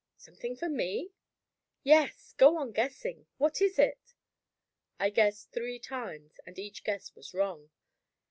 "Something for me?" "Yes. Go on guessing. What is it?" I guessed three times, and each guess was wrong.